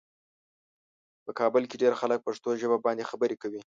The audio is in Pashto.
په کابل کې ډېر خلک پښتو ژبه باندې خبرې کوي.